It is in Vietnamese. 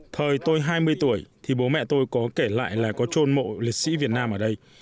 thời tôi hai mươi tuổi thì bố mẹ tôi có kể lại là có trôn mộ liệt sĩ việt nam ở đây